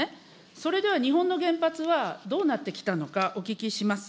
それでは日本の原発はどうなってきたのかお聞きします。